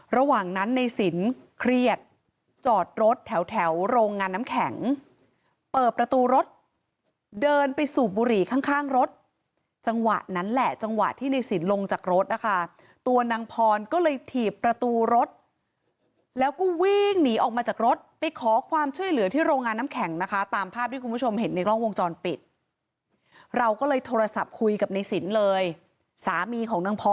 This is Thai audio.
ระหว่างนั้นในสินเครียดจอดรถแถวแถวโรงงานน้ำแข็งเปิดประตูรถเดินไปสูบบุหรี่ข้างข้างรถจังหวะนั้นแหละจังหวะที่ในสินลงจากรถนะคะตัวนางพรก็เลยถีบประตูรถแล้วก็วิ่งหนีออกมาจากรถไปขอความช่วยเหลือที่โรงงานน้ำแข็งนะคะตามภาพที่คุณผู้ชมเห็นในกล้องวงจรปิดเราก็เลยโทรศัพท์คุยกับในสินเลยสามีของนางพร